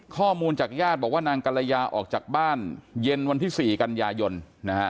ข้อมูลจากญาติบอกว่านางกรยาออกจากบ้านเย็นวันที่๔กันยายนนะฮะ